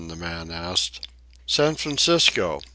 the man asked. "San Francisco.